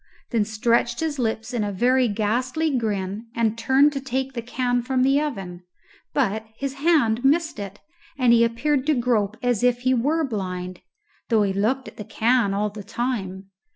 then stretched his lips in a very ghastly grin and turned to take the can from the oven, but his hand missed it, and he appeared to grope as if he were blind, though he looked at the can all the time.